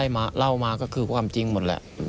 แย่อ่ะ